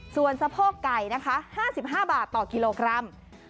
ส่วนสะโพกไก่นะคะ๕๕บาทต่อกิโลกรัม